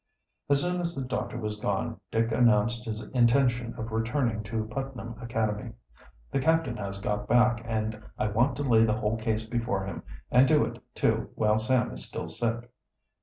As soon as the doctor was gone Dick announced his intention of returning to Putnam Academy. "The captain has got back, and I want to lay the whole case before him, and do it, too while Sam is still sick."